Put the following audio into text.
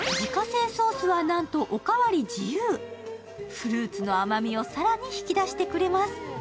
フルーツの甘みを更に引き出してくれます。